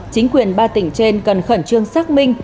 chính quyền ba tỉnh trên cần khẩn trương xác minh